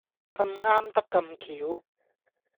咁啱得咁橋